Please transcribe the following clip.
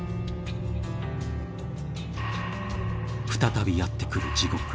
［再びやって来る地獄。